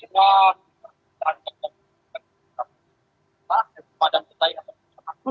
pak yang kemudian kita ya pak